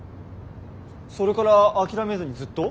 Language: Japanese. それから諦めずにずっと？